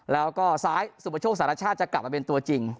แล้วก็ซ้ายสุประโชคสารชาติจะกลับมาเป็นตัวจริง